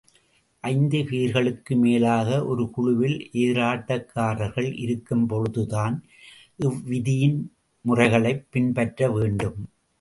ஐந்து பேர்களுக்கு மேலாக ஒரு குழுவில் எதிராட்டக்காரர்கள் இருக்கும்பொழுதுதான் இவ்விதியின் முறைகளைப் பின்பற்ற வேண்டும்.